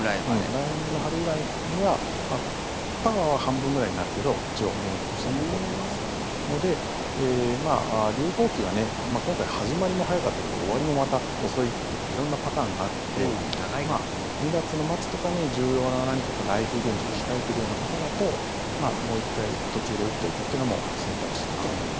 来年の春くらいにはパワーは半分ぐらいになるけど一応、免疫としては残ってますので流行期はね今回、始まりも早かったけど終わりもまた遅いとか色んなパターンがあるので２月の末とかに重要な何かライフイベントが控えてるような方だともう１回途中で打っておくっていうのも選択肢かとは思います。